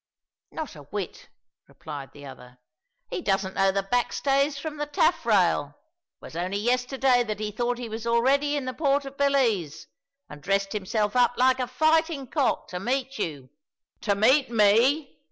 "Not a whit," replied the other; "he doesn't know the backstays from the taffrail. It was only yesterday that he thought he was already in the port of Belize, and dressed himself up like a fighting cock to meet you." "To meet me?"